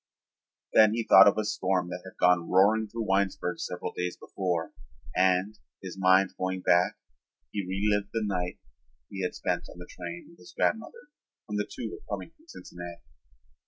Then he thought of a storm that had gone roaring through Winesburg several days before and, his mind going back, he relived the night he had spent on the train with his grandmother when the two were coming from Cincinnati.